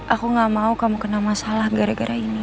aku gak mau kamu kena masalah gara gara ini